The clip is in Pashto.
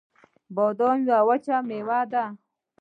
بادام یوه وچه مېوه ده